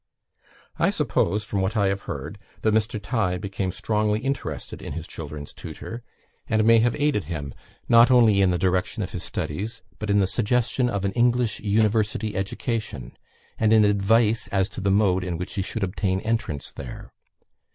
I suppose, from what I have heard, that Mr. Tighe became strongly interested in his children's tutor, and may have aided him, not only in the direction of his studies, but in the suggestion of an English university education, and in advice as to the mode in which he should obtain entrance there.